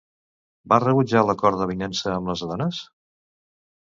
Va rebutjar l'acord d'avinença amb les dones?